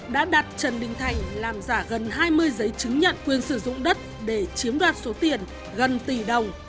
đã đặt trần đình thành làm giả gần hai mươi giấy chứng nhận quyền sử dụng đất để chiếm đoạt số tiền gần tỷ đồng